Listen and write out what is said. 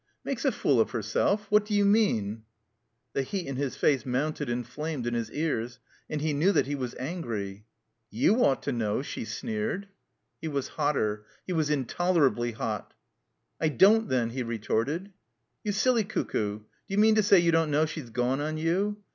"Makes a fool of herself? What do you mean?" The heat in his face motmted and flamed in his ears; and he knew that he was angry. ''You ought to know," she sneered. He was hotter. He was intolerably hot. "I don't, then," he retorted. "You silly cuckoo, d'you mean to say you don't know she's gone on you